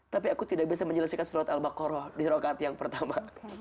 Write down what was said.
tapi aku tidak bisa menjelaskan salat al baqarah di rakaat yang pertama